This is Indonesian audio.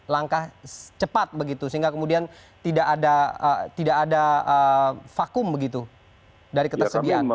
langkah cepat begitu sehingga kemudian tidak ada vakum begitu dari ketersediaan